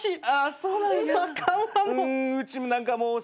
ああそうなんや。